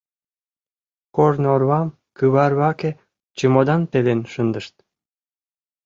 Корнорвам кӱварваке чемодан пелен шындышт.